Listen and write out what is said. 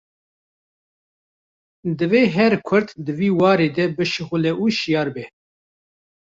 Divê her Kurd di vî warî de bişixule û şiyar be